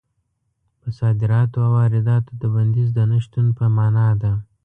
په صادراتو او وارداتو د بندیز د نه شتون په مانا ده.